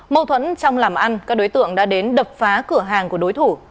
mâu thuẫn trong làm ăn các đối tượng đã đến đập phá cửa hàng của đối thủ